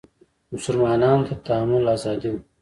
مسلمانانو ته تعامل ازادي وه